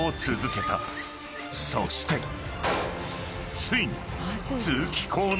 ［そしてついに］